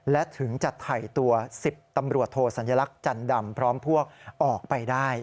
และถึงจะไถ่ตัว๑๐ตำรวจโทสัญลักษณ์จันดำพร้อมพวกออกไปได้